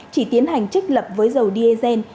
chỉ tiến hành trích lập với dầu diezen